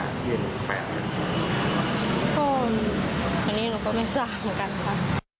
ก็อันนี้เราก็ไม่ทราบเหมือนกันค่ะ